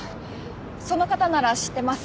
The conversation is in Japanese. その方なら知ってます。